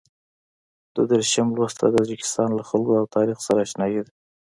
دوه دېرشم لوست د تاجکستان له خلکو او تاریخ سره اشنايي ده.